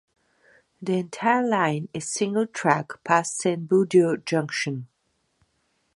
The entire line is single track past Saint Budeaux Junction.